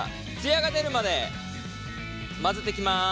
艶が出るまで混ぜていきます。